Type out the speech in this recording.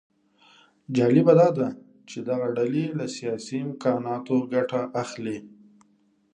جالبه داده چې دغه ډلې له سیاسي امکاناتو ګټه اخلي